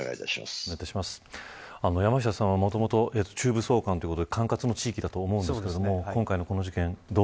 山下さんはもともと中部総監ということで管轄の地域だと思うんですが今回の事件